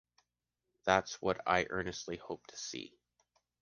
That’s what I earnestly hope to see.